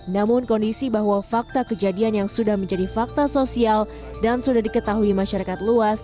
namun kondisi bahwa fakta kejadian yang sudah menjadi fakta sosial dan sudah diketahui masyarakat luas